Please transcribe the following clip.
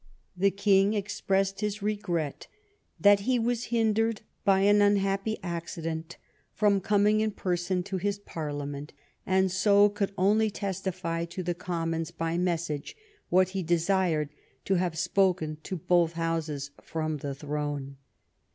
The King expressed his regret ^^ that he was hindered by an unhappy accident from coming in person to his Parliament, and so could only signify to the Commons by message what he desired to have spoken to both Houses from the throne."